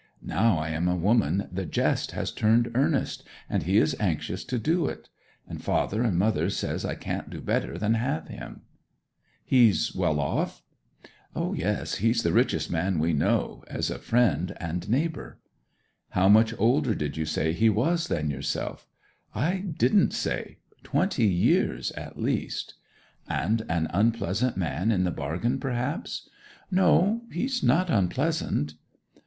Now I am a woman the jest has turned earnest, and he is anxious to do it. And father and mother says I can't do better than have him.' 'He's well off?' 'Yes he's the richest man we know as a friend and neighbour.' 'How much older did you say he was than yourself?' 'I didn't say. Twenty years at least.' 'And an unpleasant man in the bargain perhaps?' 'No he's not unpleasant.'